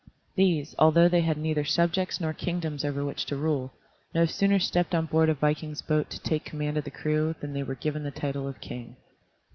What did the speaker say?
These, although they had neither subjects nor kingdoms over which to rule, no sooner stepped on board a viking's boat to take command of the crew, than they were given title of king.